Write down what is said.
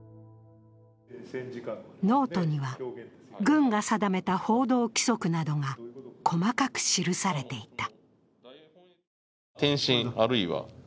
ノートには、軍が定めた報道規則などが細かく記されていた。